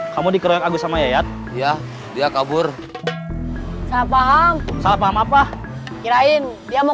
kamu dikeroyak aku sama yaya ya dia kabur salah paham salah paham apa kirain dia mau